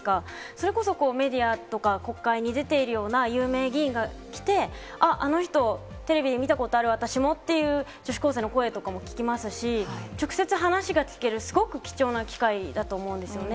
それこそ、メディアとか国会に出ているような有名議員が来て、あっ、あの人、テレビで見たことある、私もっていう、女子高生の声とかも聞きますし、直接話が聞けるすごく貴重な機会だと思うんですよね。